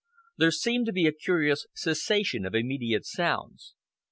There seemed to be a curious cessation of immediate sounds.